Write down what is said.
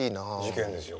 事件ですよ